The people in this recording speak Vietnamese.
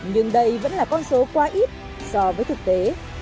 nhưng đây vẫn là con số quá ít so với thực tế